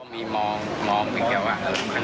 เมื่อกี้เขาเลือกประมาท